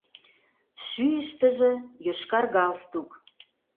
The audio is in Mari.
Шӱйыштыжӧ — йошкар галстук.